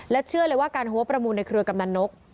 เชื่อเลยว่าการหัวประมูลในเครือกำนันนก